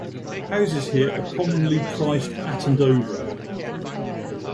Houses here are commonly priced at and over.